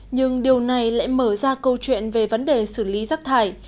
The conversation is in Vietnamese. nhưng điều này lại mở ra câu chuyện về vấn đề xử lý rác thải